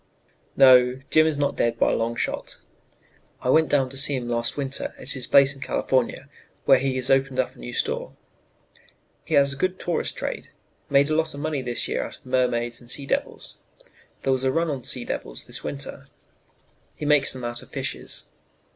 "No, Jim is not dead by a long shot. I went down to see him last winter at his place in California, where he has opened up a new store. He has a good tourist trade made a lot of money this year out of mermaids and sea devils there was a run on sea devils this winter. He makes them out of fishes.